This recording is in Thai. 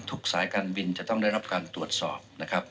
สายการบินจะต้องได้รับการตรวจสอบนะครับ